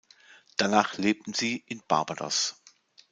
Danach lebten sie in Barbados.